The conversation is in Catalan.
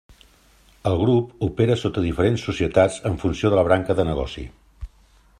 El grup opera sota diferents societats, en funció de la branca de negoci.